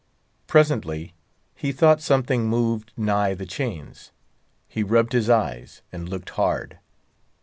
Presently he thought something moved nigh the chains. He rubbed his eyes, and looked hard.